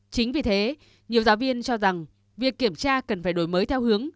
chính vì thế nhiều giáo viên cho rằng việc kiểm tra cần phải đổi mới theo hướng